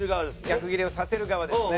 逆ギレをさせる側ですね。